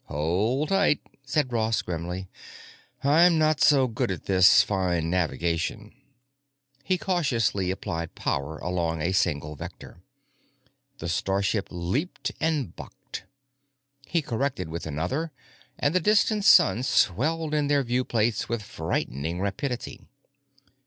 "Hold tight," said Ross grimly, "I'm not so good at this fine navigation." He cautiously applied power along a single vector; the starship leaped and bucked. He corrected with another; and the distant sun swelled in their view plates with frightening rapidity.